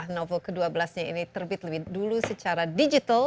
novel ke dua belas nya ini terbit lebih dulu secara digital